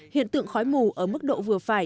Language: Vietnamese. hiện tượng khói mù ở mức độ vừa phải